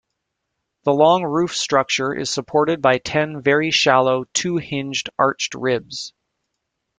The long roof structure is supported by ten very shallow "two-hinged" arched ribs.